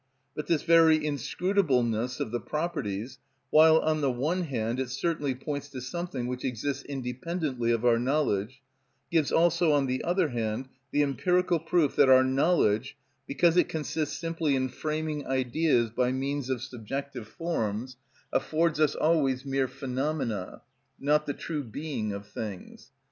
But this very inscrutableness of the properties, while, on the one hand, it certainly points to something which exists independently of our knowledge, gives also, on the other hand, the empirical proof that our knowledge, because it consists simply in framing ideas by means of subjective forms, affords us always mere phenomena, not the true being of things.